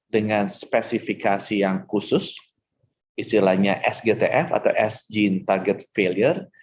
dengan spesifikasi yang khusus istilahnya sgtf atau as gene target failure